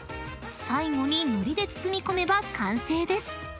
最後に海苔で包み込めば完成です］